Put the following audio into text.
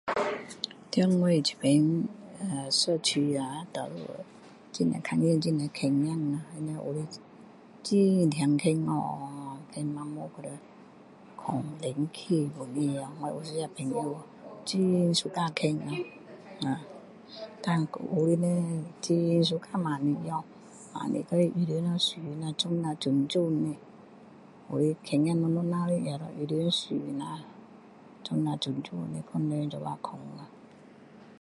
在我这边社区啊多数看到很多狗他们有些很疼狗哦有些晚上要睡冷气房间我有一个朋友很喜欢狗胆我还有一个朋友很小猫小猫就是有些小狗小小只的也要衣服穿一下打扮一下美美的跟人一起睡啊